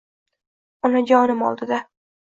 Onajonim oldida.